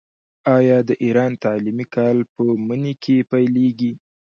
آیا د ایران تعلیمي کال په مني کې نه پیلیږي؟